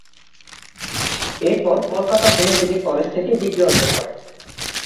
এর পর Kolkata homeopathic college থেকেও ডিগ্রী অর্জন করেন।